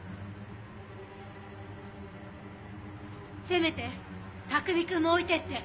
せめて卓海くんも置いてって。